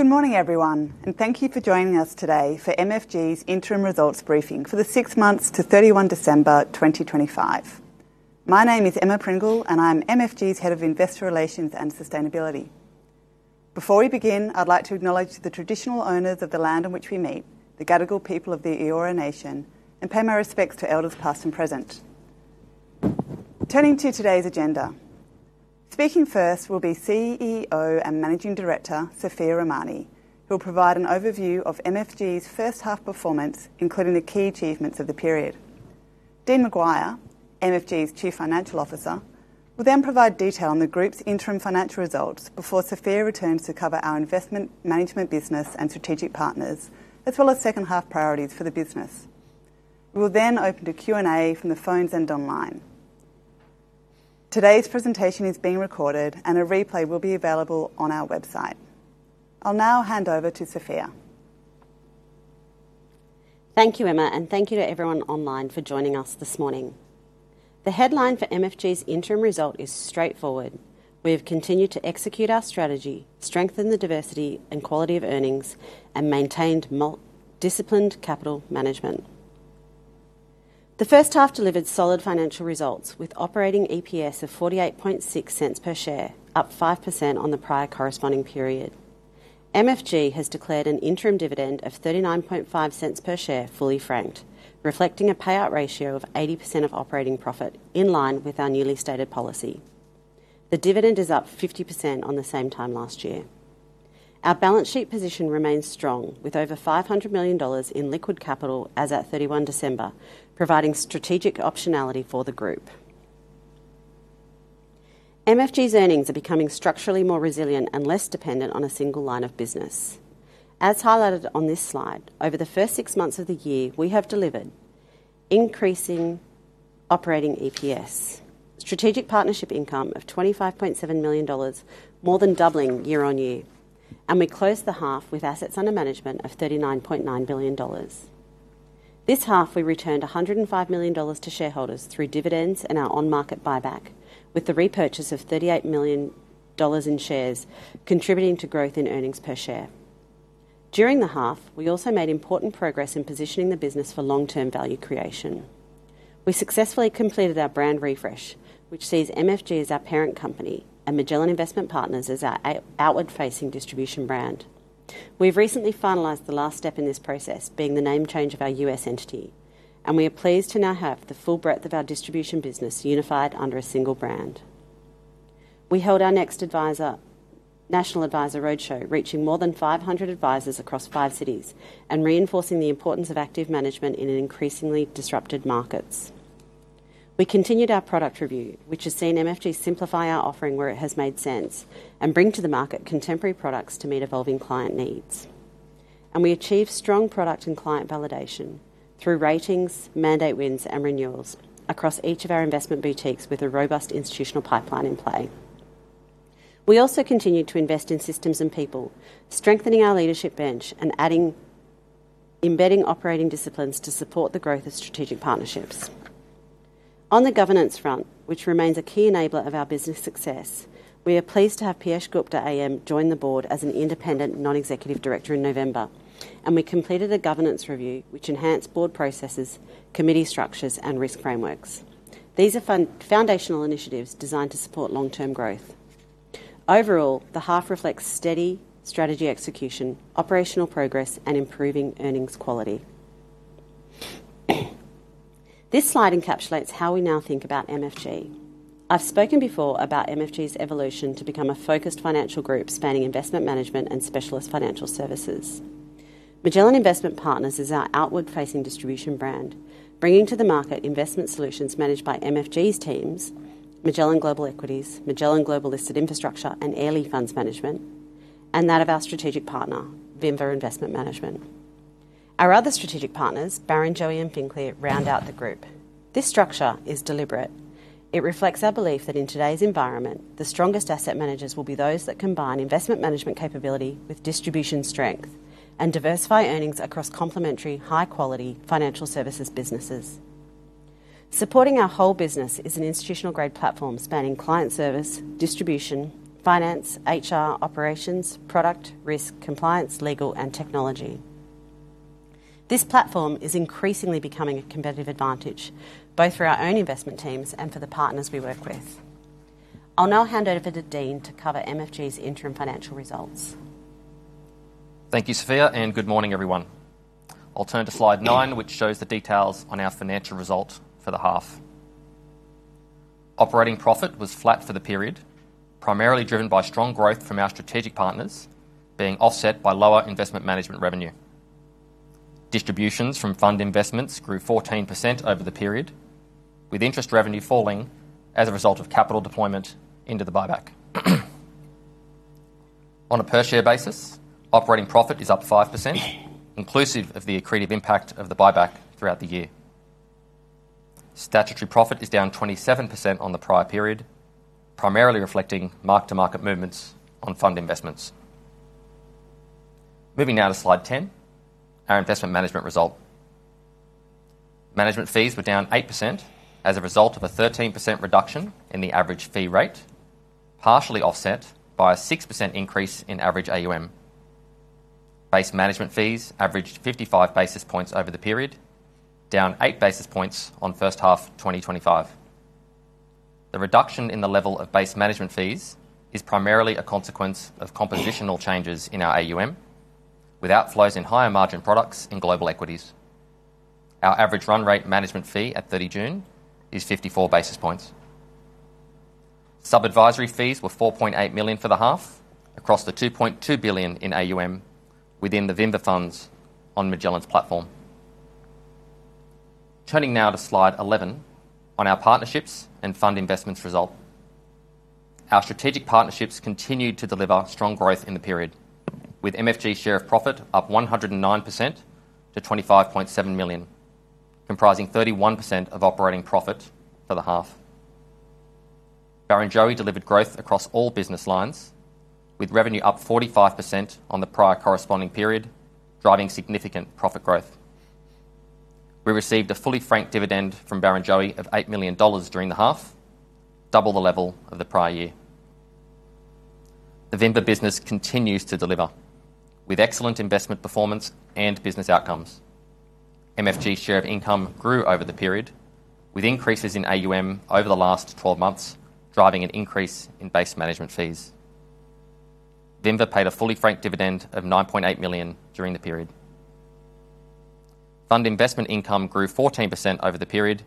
Good morning, everyone, and thank you for joining us today for MFG's Interim Results Briefing for the six months to 31 December 2025. My name is Emma Pringle, and I'm MFG's Head of Investor Relations and Sustainability. Before we begin, I'd like to acknowledge the traditional owners of the land on which we meet, the Gadigal people of the Eora Nation, and pay my respects to elders, past and present. Turning to today's agenda. Speaking first will be CEO and Managing Director, Sophia Rahmani, who will provide an overview of MFG's first half performance, including the key achievements of the period. Dean McGuire, MFG's Chief Financial Officer, will then provide detail on the Group's interim financial results before Sophia returns to cover our Investment Management business and strategic partners, as well as second-half priorities for the business. We will then open to Q&A from the phones and online. Today's presentation is being recorded, and a replay will be available on our website. I'll now hand over to Sophia. Thank you, Emma, and thank you to everyone online for joining us this morning. The headline for MFG's interim result is straightforward: We have continued to execute our strategy, strengthen the diversity and quality of earnings, and maintain disciplined capital management. The first half delivered solid financial results, with operating EPS of 0.486 per share, up 5% on the prior corresponding period. MFG has declared an interim dividend of 0.395 per share, fully franked, reflecting a payout ratio of 80% of operating profit in line with our newly stated policy. The dividend is up 50% on the same time last year. Our balance sheet position remains strong, with over 500 million dollars in liquid capital as at 31 December, providing strategic optionality for the Group. MFG's earnings are becoming structurally more resilient and less dependent on a single line of business. As highlighted on this slide, over the first six months of the year, we have delivered increasing operating EPS, strategic partnership income of 25.7 million dollars, more than doubling year-on-year, and we closed the half with assets under management of 39.9 billion dollars. This half, we returned 105 million dollars to shareholders through dividends and our on-market buyback, with the repurchase of 38 million dollars in shares contributing to growth in earnings per share. During the half, we also made important progress in positioning the business for long-term value creation. We successfully completed our brand refresh, which sees MFG as our parent company and Magellan Investment Partners as our outward-facing distribution brand. We've recently finalized the last step in this process, being the name change of our US entity, and we are pleased to now have the full breadth of our distribution business unified under a single brand. We held our next National Advisor Roadshow, reaching more than 500 advisors across five cities and reinforcing the importance of active management in an increasingly disrupted markets. We continued our product review, which has seen MFG simplify our offering where it has made sense and bring to the market contemporary products to meet evolving client needs. We achieved strong product and client validation through ratings, mandate wins, and renewals across each of our investment boutiques with a robust institutional pipeline in play. We also continued to invest in systems and people, strengthening our leadership bench and embedding operating disciplines to support the growth of strategic partnerships. On the governance front, which remains a key enabler of our business success, we are pleased to have Peeyush Gupta AM join the board as an independent, non-executive director in November, and we completed a governance review, which enhanced board processes, committee structures, and risk frameworks. These are foundational initiatives designed to support long-term growth. Overall, the half reflects steady strategy execution, operational progress, and improving earnings quality. This slide encapsulates how we now think about MFG. I've spoken before about MFG's evolution to become a focused financial group spanning investment management and specialist financial services. Magellan Investment Partners is our outward-facing distribution brand, bringing to the market investment solutions managed by MFG's teams, Magellan Global Equities, Magellan Global Listed Infrastructure, and Airlie Funds Management, and that of our strategic partner, Vinva Investment Management. Our other strategic partners, Barrenjoey and FinClear, round out the group. This structure is deliberate. It reflects our belief that in today's environment, the strongest asset managers will be those that combine investment management capability with distribution strength and diversify earnings across complementary, high-quality financial services businesses. Supporting our whole business is an institutional-grade platform spanning client service, distribution, finance, HR, operations, product, risk, compliance, legal, and technology. This platform is increasingly becoming a competitive advantage, both for our own investment teams and for the partners we work with. I'll now hand over to Dean to cover MFG's interim financial results. Thank you, Sophia, and good morning, everyone. I'll turn to slide nine, which shows the details on our financial result for the half. Operating profit was flat for the period, primarily driven by strong growth from our strategic partners, being offset by lower Investment Management revenue. Distributions from fund investments grew 14% over the period, with interest revenue falling as a result of capital deployment into the buyback. On a per-share basis, operating profit is up 5%, inclusive of the accretive impact of the buyback throughout the year. Statutory profit is down 27% on the prior period, primarily reflecting mark-to-market movements on fund investments. Moving now to slide 10. Our Investment Management result. Management fees were down 8% as a result of a 13% reduction in the average fee rate, partially offset by a 6% increase in average AUM. Base management fees averaged 55 basis points over the period, down 8 basis points on first half 2025. The reduction in the level of base management fees is primarily a consequence of compositional changes in our AUM, with outflows in higher margin products in global equities. Our average run rate management fee at 30 June is 54 basis points. Sub-advisory fees were 4.8 million for the half, across the 2.2 billion in AUM within the Vinva funds on Magellan's platform. Turning now to Slide 11 on our partnerships and fund investments result. Our strategic partnerships continued to deliver strong growth in the period, with MFG share of profit up 109% to 25.7 million, comprising 31% of operating profit for the half. Barrenjoey delivered growth across all business lines, with revenue up 45% on the prior corresponding period, driving significant profit growth. We received a fully franked dividend from Barrenjoey of 8 million dollars during the half, double the level of the prior year. The Vinva business continues to deliver with excellent investment performance and business outcomes. MFG share of income grew over the period, with increases in AUM over the last 12 months, driving an increase in base management fees. Vinva paid a fully franked dividend of 9.8 million during the period. Fund investment income grew 14% over the period,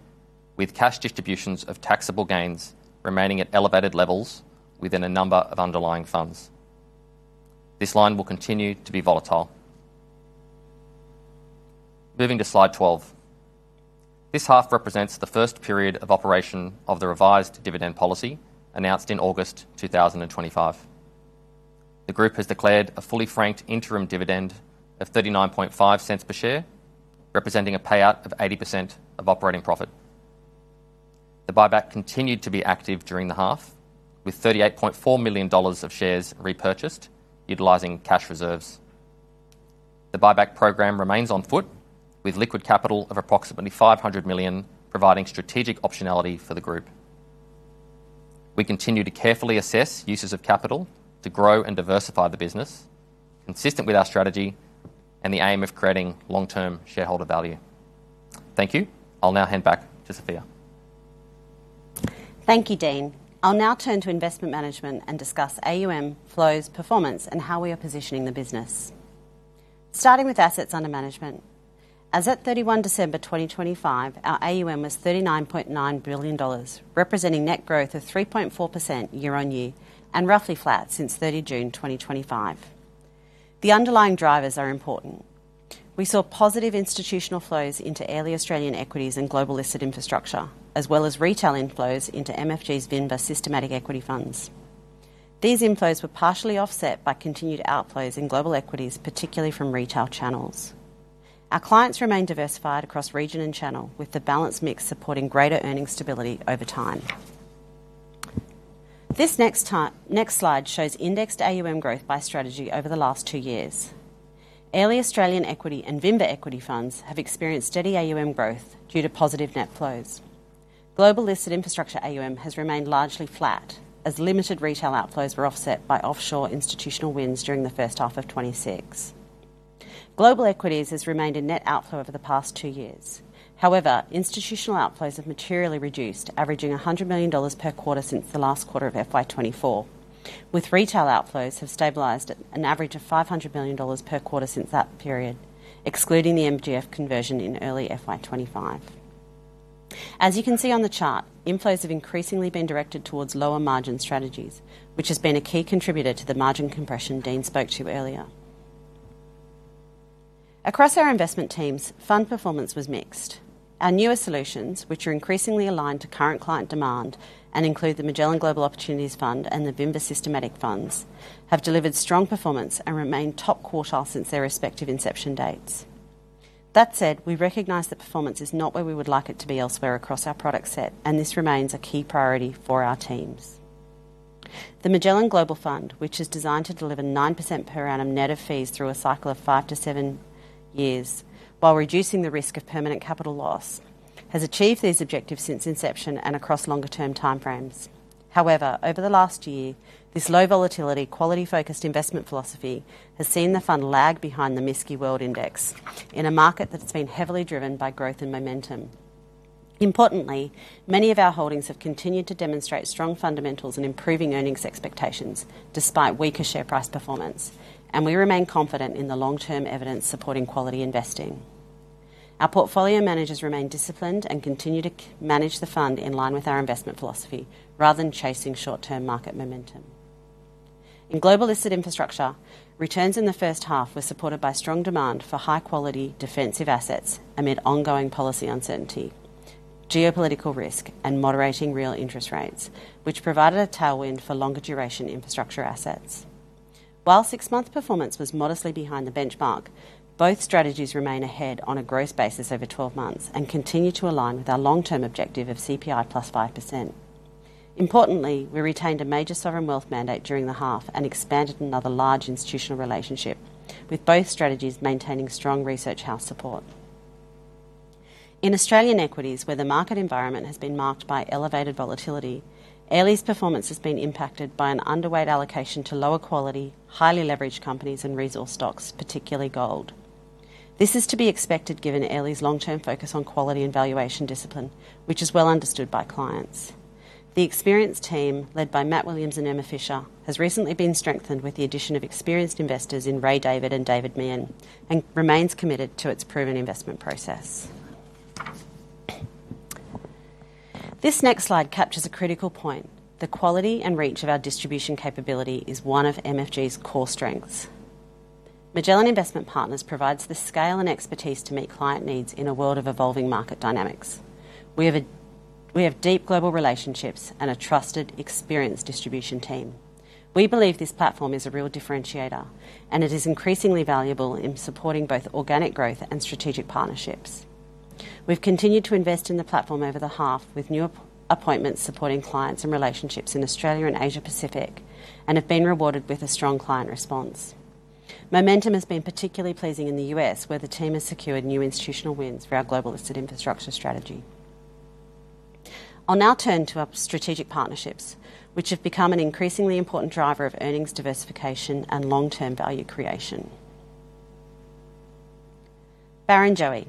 with cash distributions of taxable gains remaining at elevated levels within a number of underlying funds. This line will continue to be volatile. Moving to Slide 12. This half represents the first period of operation of the revised dividend policy, announced in August 2025. The group has declared a fully franked interim dividend of 0.395 per share, representing a payout of 80% of operating profit. The buyback continued to be active during the half, with 38.4 million dollars of shares repurchased, utilizing cash reserves. The buyback program remains on foot, with liquid capital of approximately 500 million, providing strategic optionality for the group. We continue to carefully assess uses of capital to grow and diversify the business, consistent with our strategy and the aim of creating long-term shareholder value. Thank you. I'll now hand back to Sophia. Thank you, Dean. I'll now turn to Investment Management and discuss AUM flows, performance, and how we are positioning the business. Starting with assets under management. As at 31 December 2025, our AUM was 39.9 billion dollars, representing net growth of 3.4% year-on-year, and roughly flat since 30 June 2025. The underlying drivers are important. We saw positive institutional flows into Airlie Australian equities and global listed infrastructure, as well as retail inflows into MFG's Vinva Systematic Equity funds. These inflows were partially offset by continued outflows in global equities, particularly from retail channels. Our clients remain diversified across region and channel, with the balanced mix supporting greater earning stability over time. This next slide shows indexed AUM growth by strategy over the last two years. Early Australian equity and Vinva Equity Funds have experienced steady AUM growth due to positive net flows. Global listed infrastructure AUM has remained largely flat, as limited retail outflows were offset by offshore institutional wins during the first half of 2026. Global equities has remained a net outflow over the past two years. However, institutional outflows have materially reduced, averaging 100 million dollars per quarter since the last quarter of FY 2024, with retail outflows have stabilized at an average of 500 million dollars per quarter since that period, excluding the MGF conversion in early FY 2025. As you can see on the chart, inflows have increasingly been directed towards lower margin strategies, which has been a key contributor to the margin compression Dean spoke to earlier. Across our investment teams, fund performance was mixed. Our newer solutions, which are increasingly aligned to current client demand and include the Magellan Global Opportunities Fund and the Vinva Systematic Funds, have delivered strong performance and remain top quartile since their respective inception dates. That said, we recognize that performance is not where we would like it to be elsewhere across our product set, and this remains a key priority for our teams. The Magellan Global Fund, which is designed to deliver 9% per annum net of fees through a cycle of 5-7 years, while reducing the risk of permanent capital loss, has achieved these objectives since inception and across longer-term time frames. However, over the last year, this low volatility, quality-focused investment philosophy has seen the fund lag behind the MSCI World Index in a market that's been heavily driven by growth and momentum. Importantly, many of our holdings have continued to demonstrate strong fundamentals and improving earnings expectations, despite weaker share price performance, and we remain confident in the long-term evidence supporting quality investing. Our portfolio managers remain disciplined and continue to manage the fund in line with our investment philosophy, rather than chasing short-term market momentum. In global listed infrastructure, returns in the first half were supported by strong demand for high-quality defensive assets amid ongoing policy uncertainty, geopolitical risk, and moderating real interest rates, which provided a tailwind for longer-duration infrastructure assets. While six-month performance was modestly behind the benchmark, both strategies remain ahead on a gross basis over 12 months and continue to align with our long-term objective of CPI + 5%. Importantly, we retained a major sovereign wealth mandate during the half and expanded another large institutional relationship, with both strategies maintaining strong research house support. In Australian equities, where the market environment has been marked by elevated volatility, Airlie's performance has been impacted by an underweight allocation to lower quality, highly leveraged companies and resource stocks, particularly gold. This is to be expected, given Airlie's long-term focus on quality and valuation discipline, which is well understood by clients. The experienced team, led by Matt Williams and Emma Fisher, has recently been strengthened with the addition of experienced investors in Ray David and David Meehan, and remains committed to its proven investment process. This next slide captures a critical point: the quality and reach of our distribution capability is one of MFG's core strengths. Magellan Investment Partners provides the scale and expertise to meet client needs in a world of evolving market dynamics. We have deep global relationships and a trusted, experienced distribution team. We believe this platform is a real differentiator, and it is increasingly valuable in supporting both organic growth and strategic partnerships. We've continued to invest in the platform over the half, with new appointments supporting clients and relationships in Australia and Asia Pacific, and have been rewarded with a strong client response. Momentum has been particularly pleasing in the U.S., where the team has secured new institutional wins for our global listed infrastructure strategy. I'll now turn to our strategic partnerships, which have become an increasingly important driver of earnings, diversification, and long-term value creation. Barrenjoey.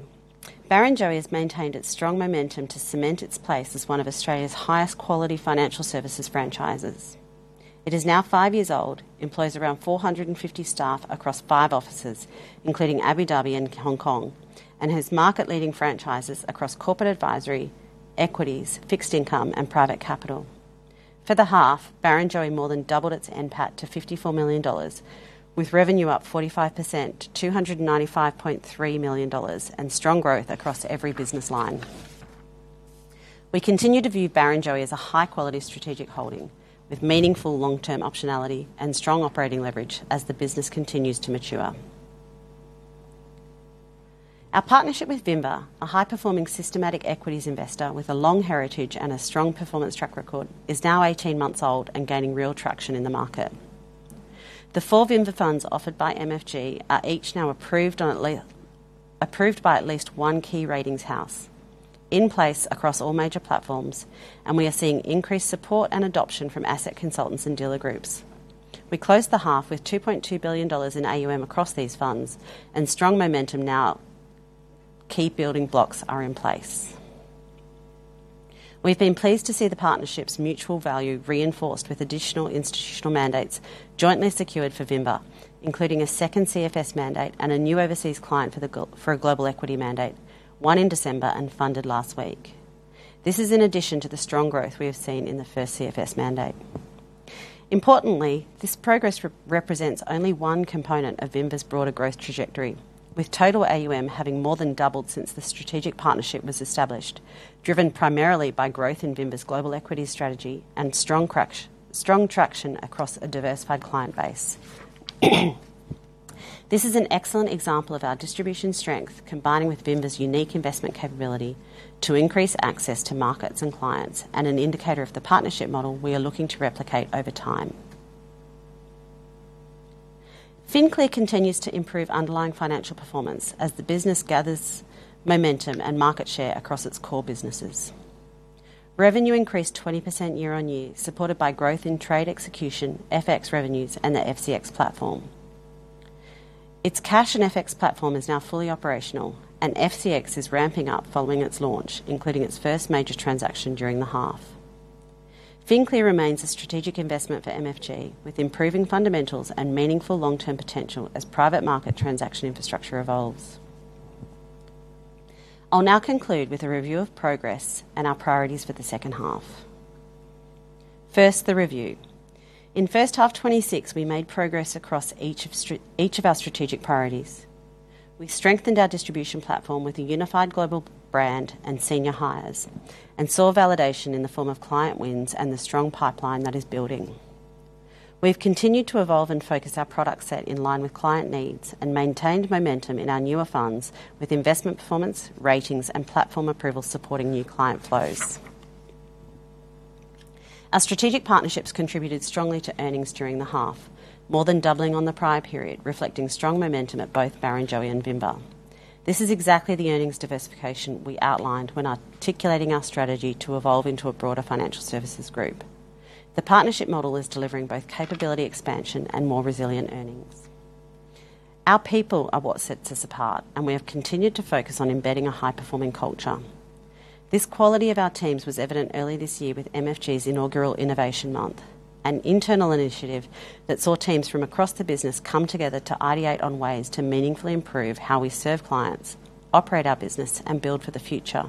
Barrenjoey has maintained its strong momentum to cement its place as one of Australia's highest quality financial services franchises. It is now five years old, employs around 450 staff across five offices, including Abu Dhabi and Hong Kong, and has market-leading franchises across corporate advisory, equities, fixed income, and private capital. For the half, Barrenjoey more than doubled its NPAT to 54 million dollars, with revenue up 45% to 295.3 million dollars, and strong growth across every business line. We continue to view Barrenjoey as a high-quality strategic holding, with meaningful long-term optionality and strong operating leverage as the business continues to mature. Our partnership with Vinva, a high-performing systematic equities investor with a long heritage and a strong performance track record, is now 18 months old and gaining real traction in the market. The four Vinva funds offered by MFG are each now approved by at least one key ratings house, in place across all major platforms, and we are seeing increased support and adoption from asset consultants and dealer groups. We closed the half with 2.2 billion dollars in AUM across these funds and strong momentum. Now key building blocks are in place. We've been pleased to see the partnership's mutual value reinforced with additional institutional mandates jointly secured for Vinva, including a second CFS mandate and a new overseas client for a global equity mandate, one in December and funded last week. This is in addition to the strong growth we have seen in the first CFS mandate. Importantly, this progress represents only one component of Vinva's broader growth trajectory, with total AUM having more than doubled since the strategic partnership was established, driven primarily by growth in Vinva's global equity strategy and strong traction across a diversified client base. This is an excellent example of our distribution strength, combining with Vinva's unique investment capability to increase access to markets and clients, and an indicator of the partnership model we are looking to replicate over time. FinClear continues to improve underlying financial performance as the business gathers momentum and market share across its core businesses. Revenue increased 20% year-on-year, supported by growth in trade execution, FX revenues, and the FCX platform. Its cash and FX platform is now fully operational, and FCX is ramping up following its launch, including its first major transaction during the half. FinClear remains a strategic investment for MFG, with improving fundamentals and meaningful long-term potential as private market transaction infrastructure evolves. I'll now conclude with a review of progress and our priorities for the second half. First, the review. In first half 2026, we made progress across each of our strategic priorities. We strengthened our distribution platform with a unified global brand and senior hires, and saw validation in the form of client wins and the strong pipeline that is building. We've continued to evolve and focus our product set in line with client needs, and maintained momentum in our newer funds with investment performance, ratings, and platform approvals supporting new client flows. Our strategic partnerships contributed strongly to earnings during the half, more than doubling on the prior period, reflecting strong momentum at both Barrenjoey and Vinva. This is exactly the earnings diversification we outlined when articulating our strategy to evolve into a broader financial services group. The partnership model is delivering both capability, expansion, and more resilient earnings. Our people are what sets us apart, and we have continued to focus on embedding a high-performing culture. This quality of our teams was evident early this year with MFG's inaugural Innovation Month, an internal initiative that saw teams from across the business come together to ideate on ways to meaningfully improve how we serve clients, operate our business, and build for the future.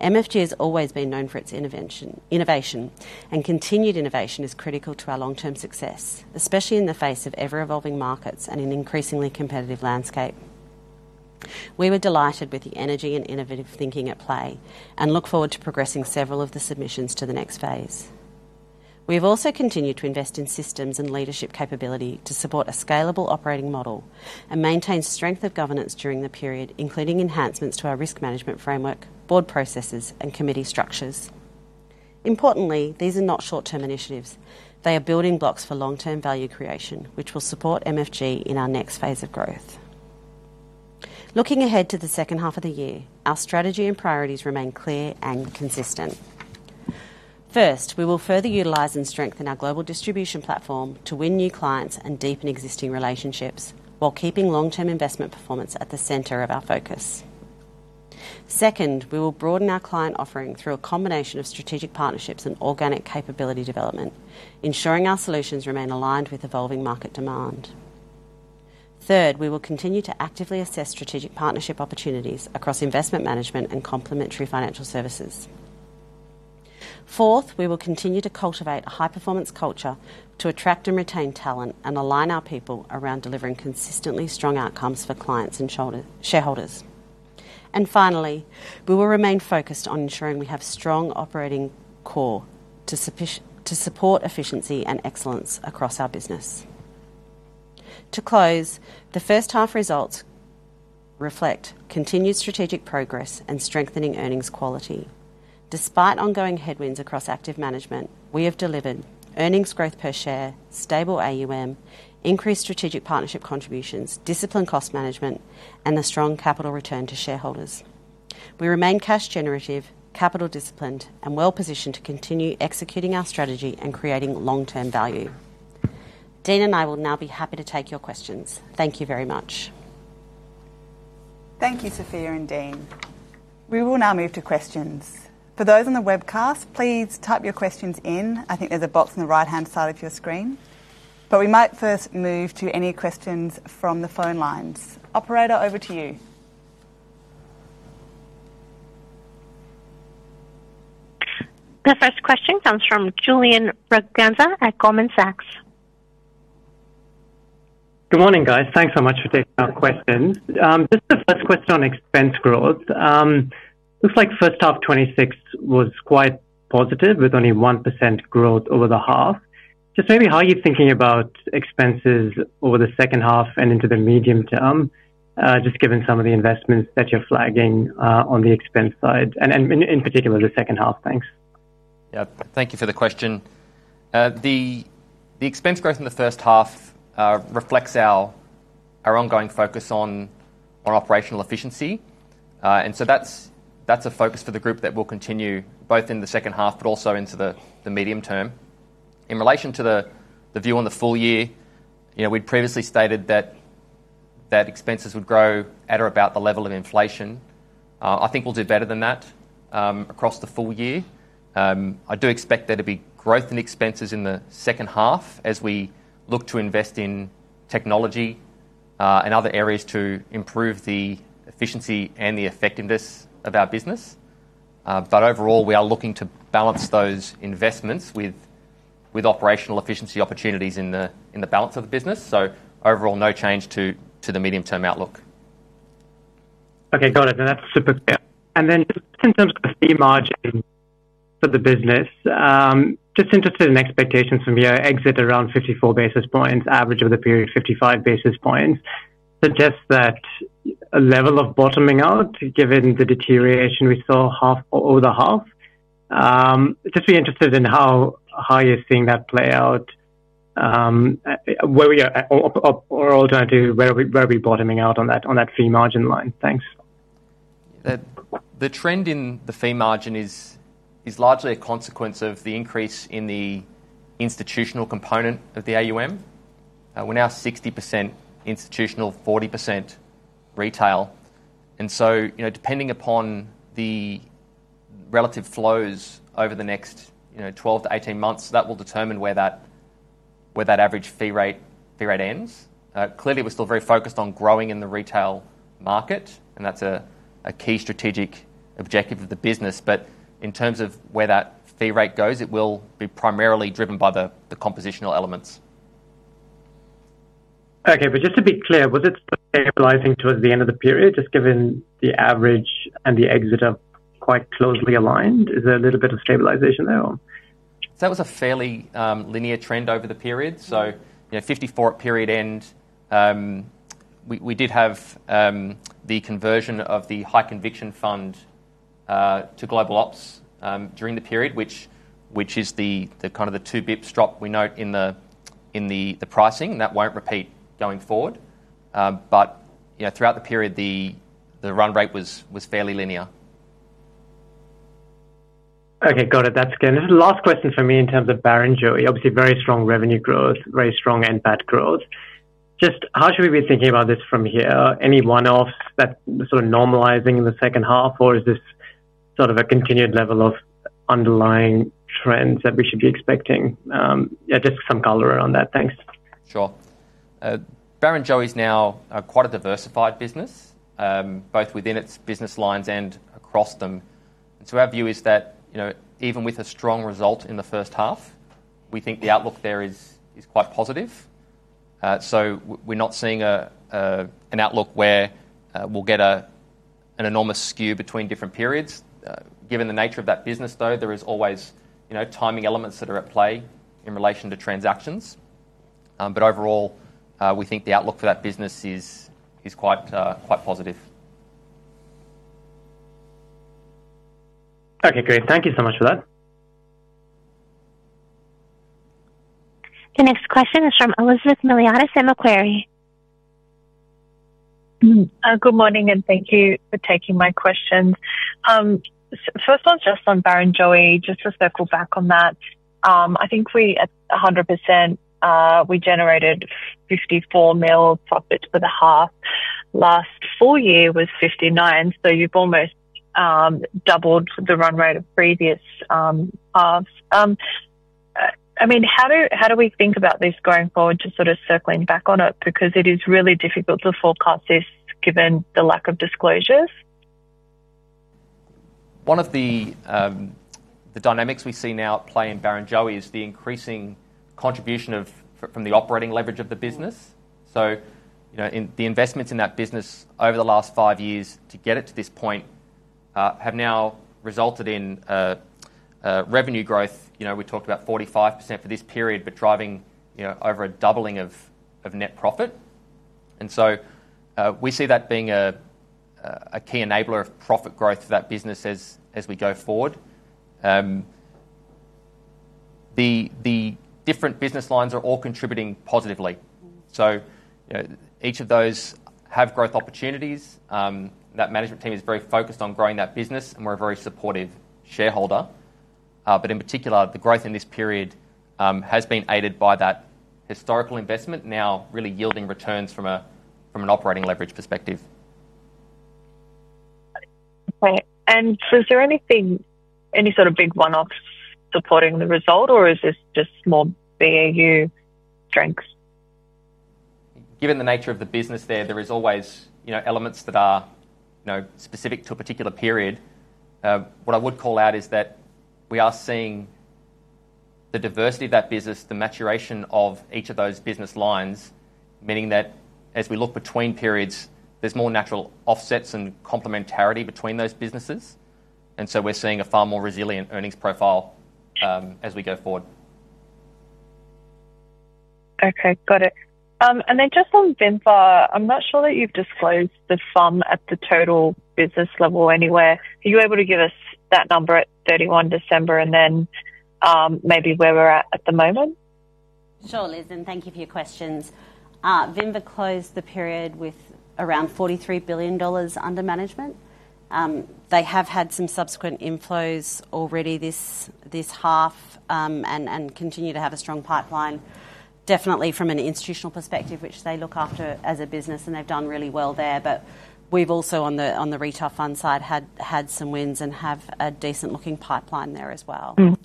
MFG has always been known for its innovation, and continued innovation is critical to our long-term success, especially in the face of ever-evolving markets and an increasingly competitive landscape. We were delighted with the energy and innovative thinking at play, and look forward to progressing several of the submissions to the next phase. We have also continued to invest in systems and leadership capability to support a scalable operating model, and maintained strength of governance during the period, including enhancements to our risk management framework, board processes, and committee structures. Importantly, these are not short-term initiatives. They are building blocks for long-term value creation, which will support MFG in our next phase of growth. Looking ahead to the second half of the year, our strategy and priorities remain clear and consistent. First, we will further utilize and strengthen our global distribution platform to win new clients and deepen existing relationships, while keeping long-term investment performance at the center of our focus. Second, we will broaden our client offering through a combination of strategic partnerships and organic capability development, ensuring our solutions remain aligned with evolving market demand. Third, we will continue to actively assess strategic partnership opportunities across Investment Management and complementary financial services. Fourth, we will continue to cultivate a high-performance culture to attract and retain talent and align our people around delivering consistently strong outcomes for clients and shareholders. And finally, we will remain focused on ensuring we have strong operating core to support efficiency and excellence across our business. To close, the first half results reflect continued strategic progress and strengthening earnings quality. Despite ongoing headwinds across active management, we have delivered earnings growth per share, stable AUM, increased strategic partnership contributions, disciplined cost management, and a strong capital return to shareholders. We remain cash generative, capital disciplined, and well-positioned to continue executing our strategy and creating long-term value. Dean and I will now be happy to take your questions. Thank you very much. Thank you, Sophia and Dean. We will now move to questions. For those on the webcast, please type your questions in. I think there's a box on the right-hand side of your screen. But we might first move to any questions from the phone lines. Operator, over to you. The first question comes from Julian Braganza at Goldman Sachs. Good morning, guys. Thanks so much for taking our questions. Just the first question on expense growth. Looks like first half 2026 was quite positive, with only 1% growth over the half. Just maybe how are you thinking about expenses over the second half and into the medium term, just given some of the investments that you're flagging, on the expense side, and in particular, the second half? Thanks. Yeah. Thank you for the question. The expense growth in the first half reflects our ongoing focus on operational efficiency. And so that's a focus for the group that will continue both in the second half, but also into the medium term. In relation to the view on the full year, you know, we'd previously stated that expenses would grow at or about the level of inflation. I think we'll do better than that across the full year. I do expect there to be growth in expenses in the second half as we look to invest in technology and other areas to improve the efficiency and the effectiveness of our business. But overall, we are looking to balance those investments with operational efficiency opportunities in the balance of the business. Overall, no change to the medium-term outlook. Okay, got it. That's super clear. And then just in terms of the fee margin for the business, just interested in expectations from your exit, around 54 basis points, average of the period, 55 basis points. Suggests that a level of bottoming out, given the deterioration we saw over the half. Just be interested in how you're seeing that play out, where we are, or alternative, where are we bottoming out on that, on that fee margin line? Thanks. The trend in the fee margin is largely a consequence of the increase in the institutional component of the AUM. We're now 60% institutional, 40% retail. You know, depending upon the relative flows over the next 12-18 months, that will determine where that average fee rate ends. Clearly, we're still very focused on growing in the retail market, and that's a key strategic objective of the business. But in terms of where that fee rate goes, it will be primarily driven by the compositional elements. Okay, but just to be clear, was it stabilizing towards the end of the period? Just given the average and the exit are quite closely aligned. Is there a little bit of stabilization there or? That was a fairly linear trend over the period. So, you know, 54 at period end. We did have the conversion of the High Conviction Fund to global ops during the period, which is the kind of the two basis points drop we note in the pricing, and that won't repeat going forward. But, you know, throughout the period, the run rate was fairly linear. Okay, got it. That's good. This is the last question from me in terms of Barrenjoey. Obviously, very strong revenue growth, very strong NPAT growth. Just how should we be thinking about this from here? Any one-offs that are sort of normalizing in the second half, or is this sort of a continued level of underlying trends that we should be expecting? Yeah, just some color around that. Thanks. Sure. Barrenjoey is now quite a diversified business, both within its business lines and across them. And so our view is that, you know, even with a strong result in the first half, we think the outlook there is quite positive. So we're not seeing an outlook where we'll get an enormous skew between different periods. Given the nature of that business, though, there is always, you know, timing elements that are at play in relation to transactions. But overall, we think the outlook for that business is quite positive. Okay, great. Thank you so much for that. The next question is from Elizabeth Miliatis at Macquarie. Good morning, and thank you for taking my questions. First one, just on Barrenjoey, just to circle back on that. I think we, at 100%, we generated 54 million profit for the half. Last full year was 59 million, so you've almost doubled the run rate of previous halves. I mean, how do we think about this going forward to sort of circling back on it? Because it is really difficult to forecast this given the lack of disclosures. One of the dynamics we see now at play in Barrenjoey is the increasing contribution of, from the operating leverage of the business. So, you know, in the investments in that business over the last five years to get it to this point, have now resulted in, revenue growth. You know, we talked about 45% for this period, but driving, you know, over a doubling of, of net profit. And so, we see that being a, a, a key enabler of profit growth for that business as, as we go forward. The different business lines are all contributing positively. So, you know, each of those have growth opportunities. That management team is very focused on growing that business, and we're a very supportive shareholder. But in particular, the growth in this period has been aided by that historical investment now really yielding returns from an operating leverage perspective. Okay. And so is there anything, any sort of big one-offs supporting the result, or is this just more BAU strengths? Given the nature of the business there, there is always, you know, elements that are, you know, specific to a particular period. What I would call out is that we are seeing the diversity of that business, the maturation of each of those business lines, meaning that as we look between periods, there's more natural offsets and complementarity between those businesses. And so we're seeing a far more resilient earnings profile, as we go forward. Okay, got it. And then just on Vinva, I'm not sure that you've disclosed the sum at the total business level anywhere. Are you able to give us that number at 31 December and then, maybe where we're at the moment? Sure, Liz, and thank you for your questions. Vinva closed the period with around 43 billion dollars under management. They have had some subsequent inflows already this half, and continue to have a strong pipeline, definitely from an institutional perspective, which they look after as a business, and they've done really well there. But we've also, on the retail fund side, had some wins and have a decent looking pipeline there as well. Mm.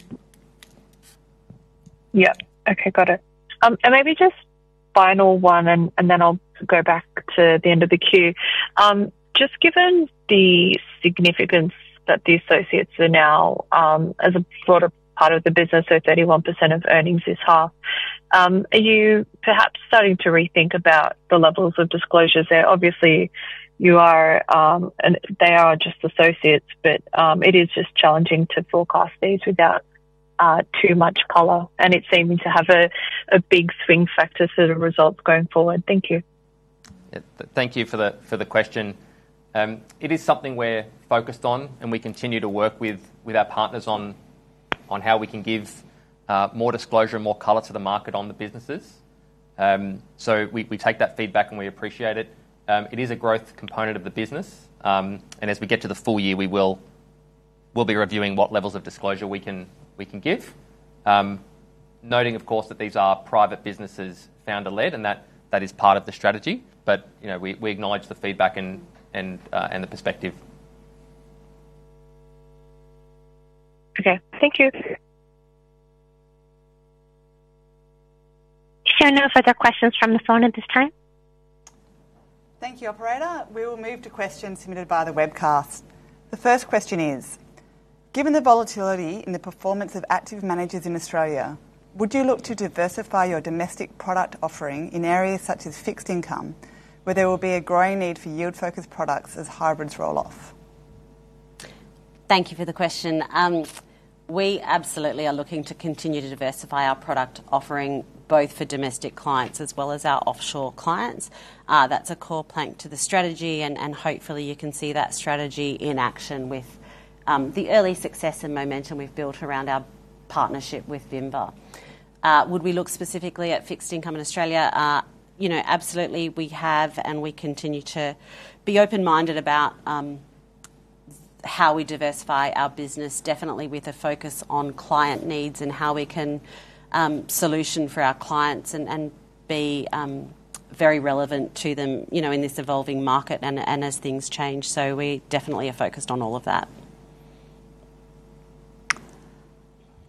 Yeah. Okay, got it. And maybe just the final one, and then I'll go back to the end of the queue. Just given the significance that the associates are now, as a broader part of the business, so 31% of earnings this half, are you perhaps starting to rethink about the levels of disclosures there? Obviously, you are, and they are just associates, but it is just challenging to forecast these without too much color, and it seeming to have a big swing factor sort of results going forward. Thank you. Thank you for the question. It is something we're focused on, and we continue to work with our partners on how we can give more disclosure and more color to the market on the businesses. So we take that feedback, and we appreciate it. It is a growth component of the business. And as we get to the full year, we will-- we'll be reviewing what levels of disclosure we can give. Noting, of course, that these are private businesses, founder-led, and that is part of the strategy. But, you know, we acknowledge the feedback and the perspective. Okay. Thank you. Sure, no further questions from the phone at this time. Thank you, operator. We will move to questions submitted via the webcast. The first question is: Given the volatility in the performance of active managers in Australia, would you look to diversify your domestic product offering in areas such as fixed income, where there will be a growing need for yield-focused products as hybrids roll off? Thank you for the question. We absolutely are looking to continue to diversify our product offering, both for domestic clients as well as our offshore clients. That's a core plank to the strategy, and hopefully you can see that strategy in action with the early success and momentum we've built around our partnership with Vinva. Would we look specifically at fixed income in Australia? You know, absolutely, we have and we continue to be open-minded about how we diversify our business, definitely with a focus on client needs and how we can solution for our clients and be very relevant to them, you know, in this evolving market and as things change. So we definitely are focused on all of that.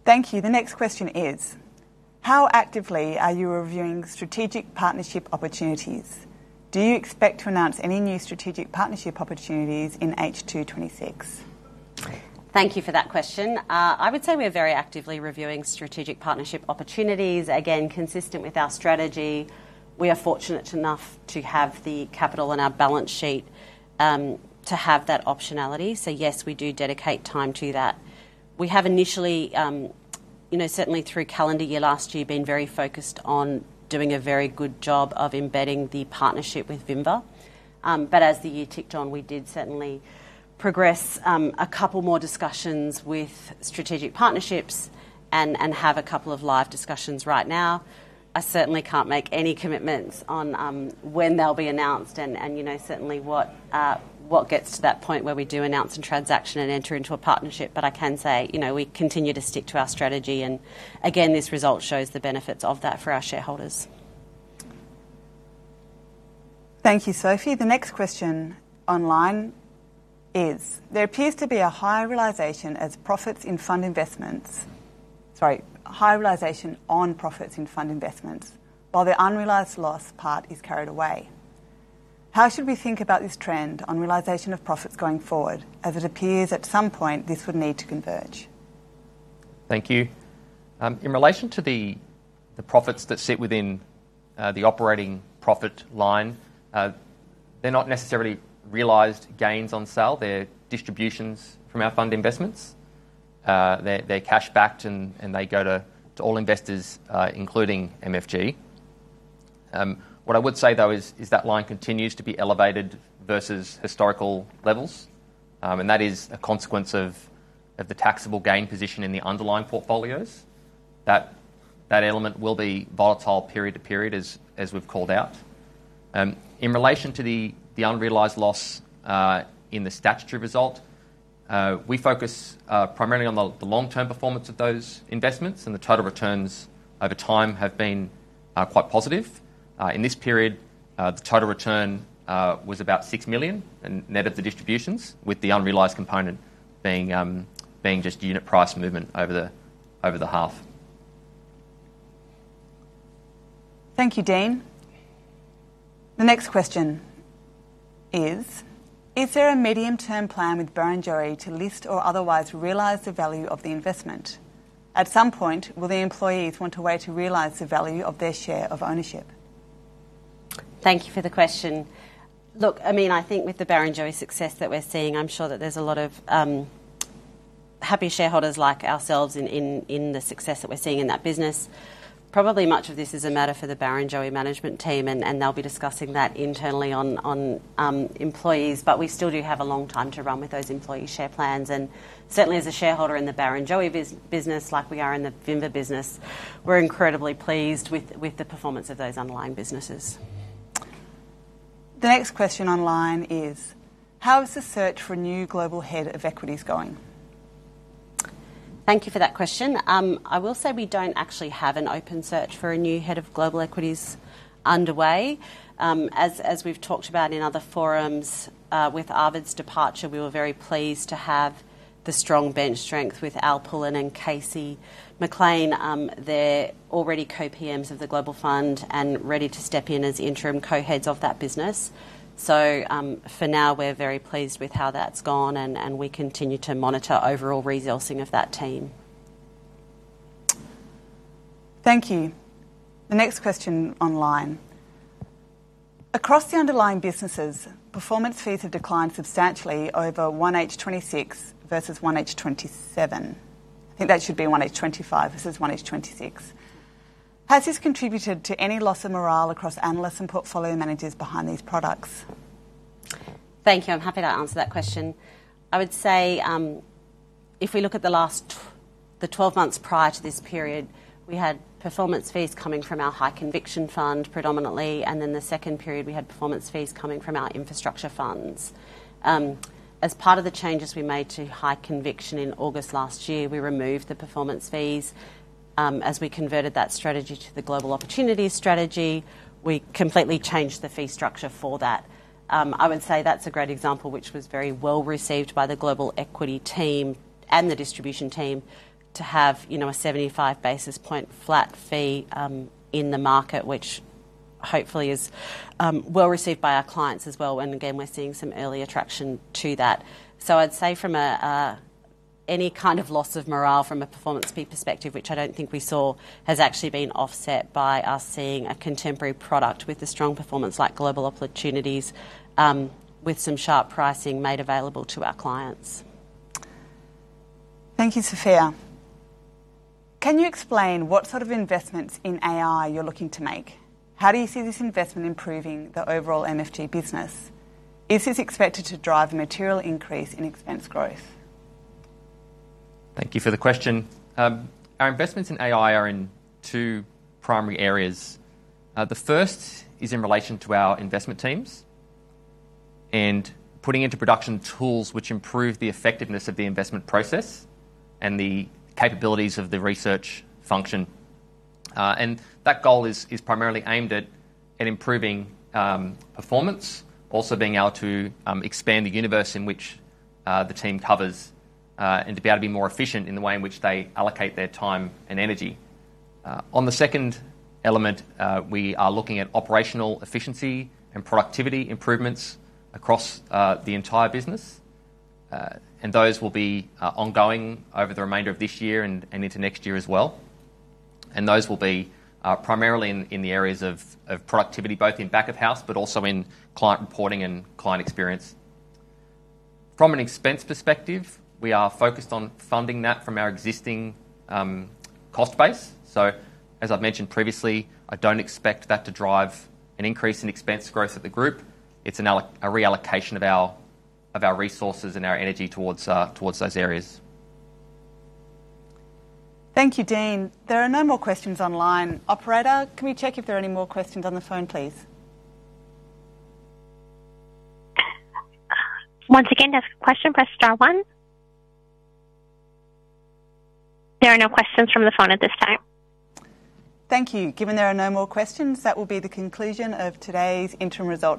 Thank you. The next question is: How actively are you reviewing strategic partnership opportunities? Do you expect to announce any new strategic partnership opportunities in H2 2026? Thank you for that question. I would say we are very actively reviewing strategic partnership opportunities. Again, consistent with our strategy, we are fortunate enough to have the capital in our balance sheet to have that optionality. So yes, we do dedicate time to that. We have initially, you know, certainly through calendar year last year, been very focused on doing a very good job of embedding the partnership with Vinva. But as the year ticked on, we did certainly progress a couple more discussions with strategic partnerships and have a couple of live discussions right now. I certainly can't make any commitments on when they'll be announced and certainly what gets to that point where we do announce a transaction and enter into a partnership. But I can say, you know, we continue to stick to our strategy, and again, this result shows the benefits of that for our shareholders. Thank you, Sophie. The next question online is: There appears to be a high realization as profits in fund investments, sorry, high realization on profits in fund investments, while the unrealized loss part is carried away. How should we think about this trend on realization of profits going forward, as it appears at some point this would need to converge? Thank you. In relation to the, the profits that sit within, the operating profit line, they're not necessarily realized gains on sale, they're distributions from our fund investments. They're, they're cash backed, and, and they go to, to all investors, including MFG. What I would say, though, is, is that line continues to be elevated versus historical levels, and that is a consequence of, of the taxable gain position in the underlying portfolios. That, that element will be volatile period to period as, as we've called out. In relation to the, the unrealized loss, in the statutory result, we focus, primarily on the, the long-term performance of those investments, and the total returns over time have been, quite positive. In this period, the total return was about 6 million and net of the distributions, with the unrealized component being just unit price movement over the half. Thank you, Dean. The next question is: Is there a medium-term plan with Barrenjoey to list or otherwise realize the value of the investment? At some point, will the employees want a way to realize the value of their share of ownership? Thank you for the question. Look, I mean, I think with the Barrenjoey success that we're seeing, I'm sure that there's a lot of happy shareholders like ourselves in the success that we're seeing in that business. Probably much of this is a matter for the Barrenjoey management team, and they'll be discussing that internally on employees, but we still do have a long time to run with those employee share plans. Certainly as a shareholder in the Barrenjoey business, like we are in the WIMBA business, we're incredibly pleased with the performance of those underlying businesses. The next question online is: How is the search for a new global head of equities going? Thank you for that question. I will say we don't actually have an open search for a new head of global equities underway. As we've talked about in other forums, with Arvid's departure, we were very pleased to have the strong bench strength with Alan Pullen and Casey McLean. They're already co-PMs of the global fund and ready to step in as interim co-heads of that business. For now, we're very pleased with how that's gone, and we continue to monitor overall resourcing of that team. Thank you. The next question online: Across the underlying businesses, performance fees have declined substantially over 1H 2026 versus 1H 2027. I think that should be 1H 2025 versus 1H 2026. Has this contributed to any loss of morale across analysts and portfolio managers behind these products? Thank you. I'm happy to answer that question. I would say, if we look at the last 12 months prior to this period, we had performance fees coming from our High Conviction Fund, predominantly, and then the second period, we had performance fees coming from our infrastructure funds. As part of the changes we made to High Conviction in August last year, we removed the performance fees. As we converted that strategy to the Global Opportunities strategy, we completely changed the fee structure for that. I would say that's a great example, which was very well received by the global equity team and the distribution team to have, you know, a 75 basis point flat fee, in the market, which hopefully is well received by our clients as well, and again, we're seeing some early attraction to that. So I'd say from any kind of loss of morale from a performance fee perspective, which I don't think we saw, has actually been offset by us seeing a contemporary product with a strong performance, like Global Opportunities, with some sharp pricing made available to our clients. Thank you, Sophia. Can you explain what sort of investments in AI you're looking to make? How do you see this investment improving the overall MFG business? Is this expected to drive a material increase in expense growth? Thank you for the question. Our investments in AI are in two primary areas. The first is in relation to our investment teams and putting into production tools which improve the effectiveness of the investment process and the capabilities of the research function. And that goal is primarily aimed at improving performance, also being able to expand the universe in which the team covers, and to be able to be more efficient in the way in which they allocate their time and energy. On the second element, we are looking at operational efficiency and productivity improvements across the entire business. Those will be ongoing over the remainder of this year and into next year as well. Those will be primarily in the areas of productivity, both in back of house, but also in client reporting and client experience. From an expense perspective, we are focused on funding that from our existing cost base. So as I've mentioned previously, I don't expect that to drive an increase in expense growth of the group. It's a reallocation of our resources and our energy towards those areas. Thank you, Dean. There are no more questions online. Operator, can we check if there are any more questions on the phone, please? Once again, next question, press star one. There are no questions from the phone at this time. Thank you. Given there are no more questions, that will be the conclusion of today's interim results.